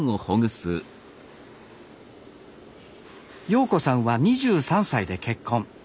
陽子さんは２３歳で結婚。